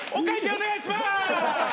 お願いします！